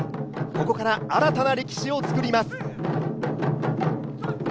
ここから新たな歴史をつくります。